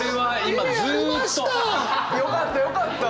よかったよかった！